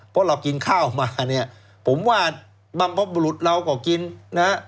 เพราะเรากินข้าวมาเนี่ยผมว่าบรรพบุรุษเราก็กินนะฮะ